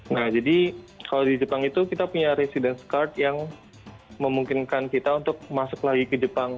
nah jadi kalau di jepang itu kita punya residence card yang memungkinkan kita untuk masuk lagi ke jepang